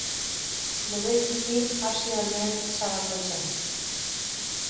Bereziki Asia aldean zabaldu zen.